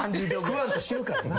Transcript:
食わんと死ぬからな。